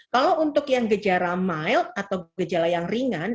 kalau untuk yang gejala mild atau gejala yang ringan